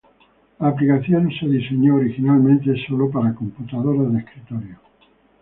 La aplicación fue diseñada, originalmente, solo para computadoras de escritorio.